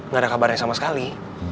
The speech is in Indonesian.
nggak ada kabarnya sama sekali